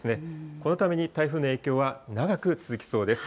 このために、台風の影響は長く続きそうです。